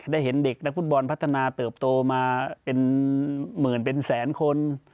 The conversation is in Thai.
เห็นเด็กนักฟุตบอลพัฒนาเติบโตมาเป็นหมื่นเป็นแสนคน